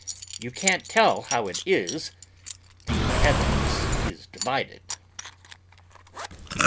You can't tell how it is; the evidence is divided.